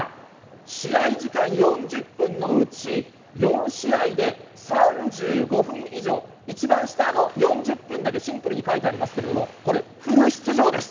試合時間４０分のうち、４試合で、３５分以上、一番下、４０分だけシンプルに書いてありますけれども、これ、フル出場です。